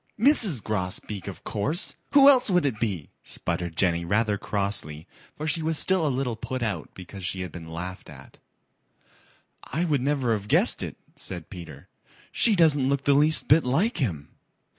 "Mrs. Grosbeak, of course. Who else would it be?" sputtered Jenny rather crossly, for she was still a little put out because she had been laughed at. "I would never have guessed it," said Peter. "She doesn't look the least bit like him."